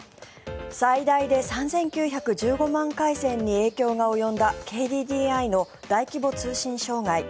最大で３９１５万回線に影響が及んだＫＤＤＩの大規模通信障害。